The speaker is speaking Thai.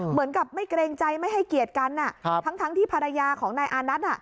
เหมือนกับไม่เกรงใจไม่ให้เกียรติกันทั้งที่ภรรยาของนายอานัท